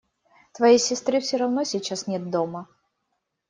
Твоей сестры все равно сейчас нет дома.